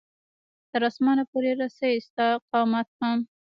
تر اسمانه پورې رسي ستا قامت هم